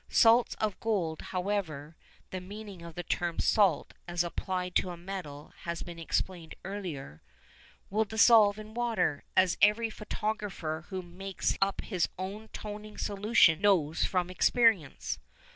Salts of gold, however (the meaning of the term salt, as applied to a metal, has been explained earlier), will dissolve in water, as every photographer who makes up his own toning solution knows from experience.